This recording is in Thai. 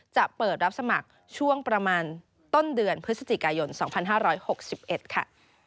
จะเปิดรับสมัครช่วงประมาณต้นเดือนพฤศจิกายนสองพันห้าร้อยหกสิบเอ็ดค่ะ